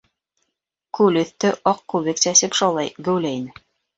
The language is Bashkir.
Күл өҫтө аҡ күбек сәсеп шаулай, геүләй ине.